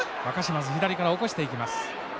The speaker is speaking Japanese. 若嶋津、左から起こしていきます。